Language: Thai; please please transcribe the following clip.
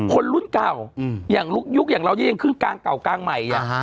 คนรุ่นเก่าอย่างยุคอย่างเรานี่ยังครึ่งกลางเก่ากลางใหม่